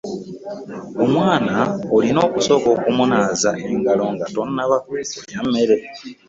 Omwana olina okusooka okumunaaza engalo nga tannaba kulya mmere.